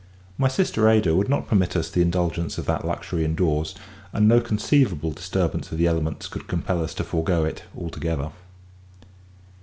My sister Ada would not permit us the indulgence of that luxury indoors, and no conceivable disturbance of the elements could compel us to forego it altogether.